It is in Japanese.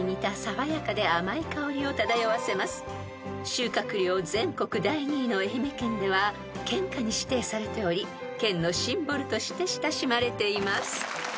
［収穫量全国第２位の愛媛県では県花に指定されており県のシンボルとして親しまれています］